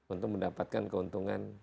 untuk mendapatkan keuntungan